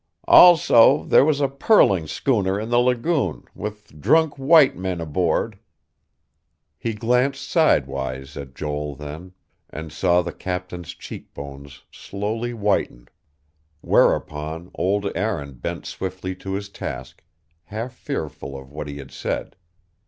"Also, there was a pearling schooner in the lagoon, with drunk white men aboard." He glanced sidewise at Joel then, and saw the Captain's cheek bones slowly whiten. Whereupon old Aaron bent swiftly to his task, half fearful of what he had said.